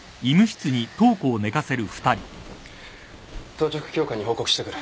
当直教官に報告してくる。